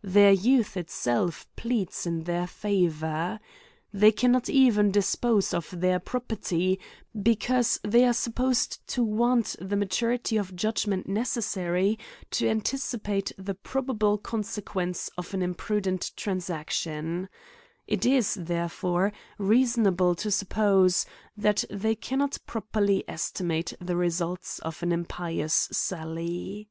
Their youth itself pleads in their favor. They can not even dispose of their property ; because they are sup posed to want the maturity of judgment necessary to anticipate the probable consequences of an im prudent transaction ; it is, therefore, rieasonable to suppose, that they cannot properly estimate the results of an impious sally.